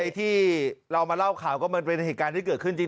ที่เรามาเล่าข่าวก็มันเป็นเหตุการณ์ที่เกิดขึ้นจริง